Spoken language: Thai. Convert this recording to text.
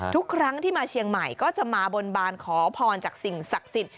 ทุกครั้งที่มาเชียงใหม่ก็จะมาบนบานขอพรจากสิ่งศักดิ์สิทธิ์